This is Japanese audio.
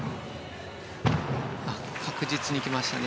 確実に来ましたね。